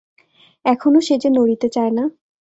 এখনো সে যে নড়িতে চায় না।